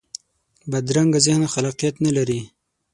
بدرنګه ذهن خلاقیت نه لري